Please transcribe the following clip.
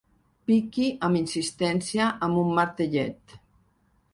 Piqui amb insistència amb un martellet.